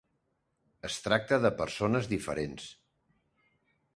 Es tracta de persones diferents.